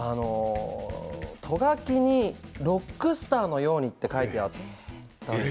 ト書きにロックスターのようにと書いてあったんです。